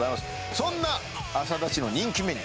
そんな朝起の人気メニュー